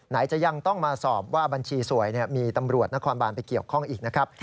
จะยังต้องมาสอบว่าบัญชีสวยมีตำรวจนครบานไปเกี่ยวข้องอีกนะครับ